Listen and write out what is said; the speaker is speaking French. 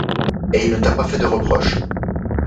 Et il ne t'a pas fait de reproches ?